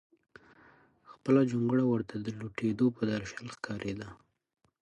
خپله جونګړه ورته د لوټېدو په درشل ښکارېده.